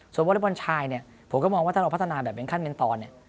วอเล็กบอลชายเนี่ยผมก็มองว่าถ้าเราพัฒนาแบบเป็นขั้นเป็นตอนเนี่ย